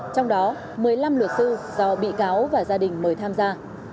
trong đó một mươi năm luật sư do bị cáo và gia đình mời tham gia